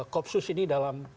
kopsus ini dalam